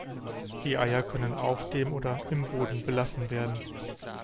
Die Eier können auf dem oder im Boden belassen werden.